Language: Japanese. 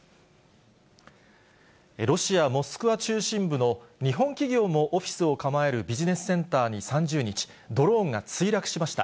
ロシア・モスクワ中心部の日本企業もオフィスを構えるビジネスセンターに３０日、ドローンが墜落しました。